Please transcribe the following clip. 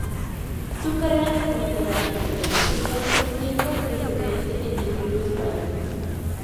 Su carrera deportiva en el peso pesado sienta un precedente en el Judo Español.